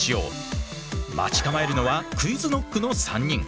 待ち構えるのはＱｕｉｚＫｎｏｃｋの３人。